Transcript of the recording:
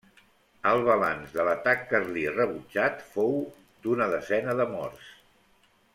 El balanç de l'atac carlí rebutjat fou d’una desena de morts.